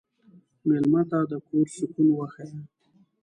مېلمه ته د کور سکون وښیه.